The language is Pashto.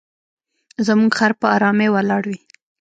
زموږ خر په آرامۍ ولاړ وي.